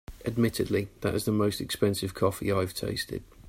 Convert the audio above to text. Admittedly, that is the most expensive coffee I’ve tasted.